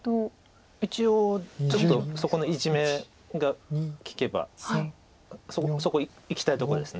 一応ちょっとそこのイジメが利けばそこいきたいとこです。